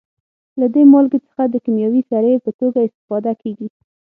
له دې مالګې څخه د کیمیاوي سرې په توګه استفاده کیږي.